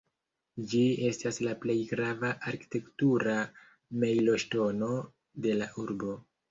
Ĝi estas la plej grava arkitektura mejloŝtono de la urbo.